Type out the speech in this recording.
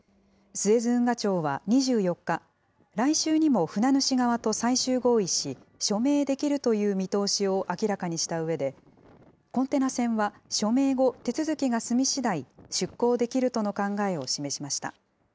スエズ運河庁は２４日、来週にも船主側と最終合意し、署名できるという見通しを明らかにしたうえで、コンテナ船は署名後、手続きが済みしだい出航できるとの考えを示しました。